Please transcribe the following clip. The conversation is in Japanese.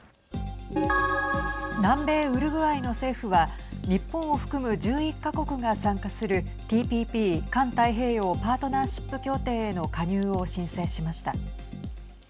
南米ウルグアイの政府は日本を含む１１か国が参加するＴＰＰ＝環太平洋パートナーシップ協定への加入を申請しました。